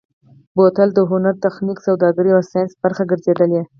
بوتل د هنر، تخنیک، سوداګرۍ او ساینس برخه ګرځېدلی.